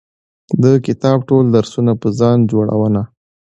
د کتاب ټول درسونه په ځان جوړونه